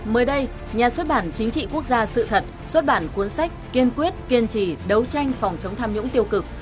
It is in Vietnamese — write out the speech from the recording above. mới đây nhà xuất bản chính trị quốc gia sự thật xuất bản cuốn sách kiên quyết kiên trì đấu tranh phòng chống tham nhũng tiêu cực